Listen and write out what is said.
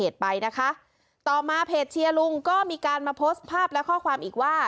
ต่อมาเพจเชียร์ลุงก็มีการมาโพสต์ภาพและข้อความอีกว่า